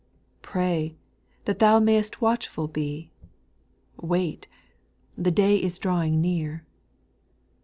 Pray, that thou may'st watchful be ; Wait, the day is drawinj^ near.